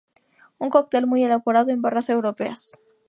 Un cóctel muy elaborado en barras europeas.